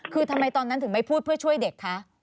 คือทำไมตอนนั้นถึงไม่พูดเพื่อช่วยเด็กคะ